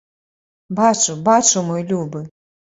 Бачу, бачу, мой любы.